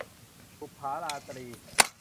บุปผาราตรี